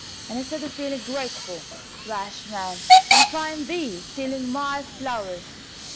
Instead of feeling grateful, rash man, I find thee stealing my flowers!